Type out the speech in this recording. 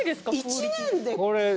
１年で。